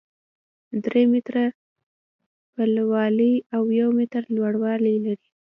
درې متره پلنوالی او يو متر لوړوالی لري،